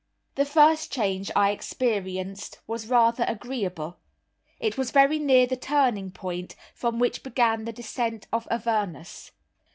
The first change I experienced was rather agreeable. It was very near the turning point from which began the descent of Avernus.